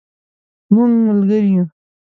مونږ ملګري یو